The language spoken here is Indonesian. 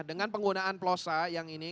dengan penggunaan plosa yang ini